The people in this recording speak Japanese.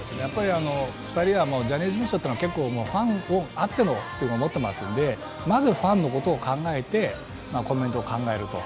２人は、ジャニーズ事務所はファンあってのものと思っていますのでまずファンのことを考えてコメントを考えると。